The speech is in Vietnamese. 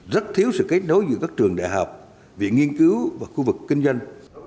rất thiếu sự kết nối giữa các trường đại học viện nghiên cứu và khu vực kinh doanh